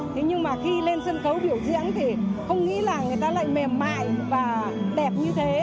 thế nhưng mà khi lên sân khấu biểu diễn thì không nghĩ là người ta lại mềm mại và đẹp như thế